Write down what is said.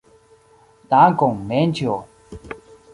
Dankon, Lenĉjo.